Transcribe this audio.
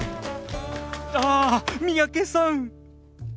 ああ三宅さん。